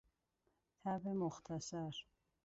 تب مختصر